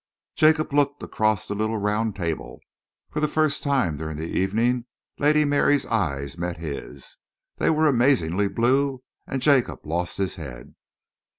Jacob looked across the little round table. For the first time during the evening, Lady Mary's eyes met his. They were amazingly blue, and Jacob lost his head.